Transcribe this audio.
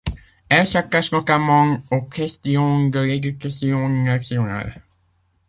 Elle s'attache notamment aux questions de l'Éducation nationale.